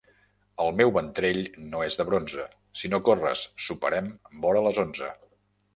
El meu ventrell no és de bronze; si no corres, soparem vora les onze.